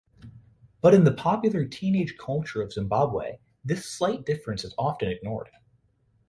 But in the popular teenage culture of Zimbabwe this slight difference is often ignored.